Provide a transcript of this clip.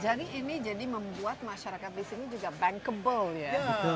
jadi ini yang membuat masyarakat di sini juga bankable ya